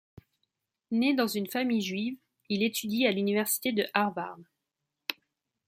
Né dans une famille juive, il étudie à l'Université de Harvard.